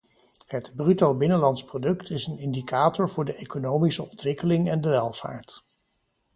Het bruto binnenlands product is een indicator voor de economische ontwikkeling en de welvaart.